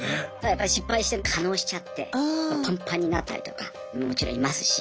やっぱり失敗して化のうしちゃってパンパンになったりとかもちろんいますし。